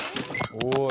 おい！